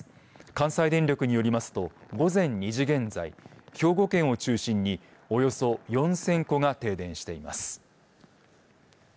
関西電力によりますと午前２時現在、兵庫県を中心におよそ４０００戸が停電しています。